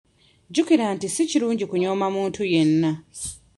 Jjukira nti si kirungi kunyooma muntu yenna.